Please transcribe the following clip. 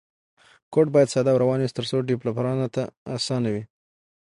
کوډ باید ساده او روان وي ترڅو ډیولپرانو ته اسانه وي.